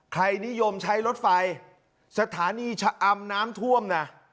ใครนิยมใช้รถไฟสถานีชะอำน้ำท่วมนะ